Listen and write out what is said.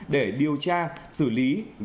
để điều tra xử lý